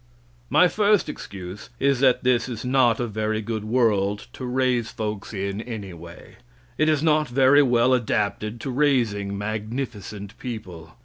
My first excuse is that this is not a very good world to raise folks in anyway. It is not very well adapted to raising magnificent people.